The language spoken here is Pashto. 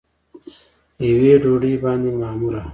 یوې ډوډۍ باندې معموره